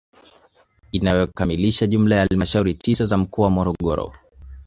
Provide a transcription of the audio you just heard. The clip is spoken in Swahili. Inayokamilisha jumla ya halmashauri tisa za mkoa wa Morogoro